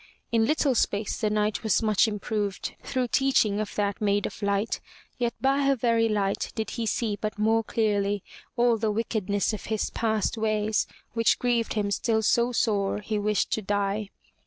In little space the Knight was much improved through teach ing of that maid of light, yet by her very light did he see but more clearly all the wickedness of his past ways, which grieved him still so sore he wished to die.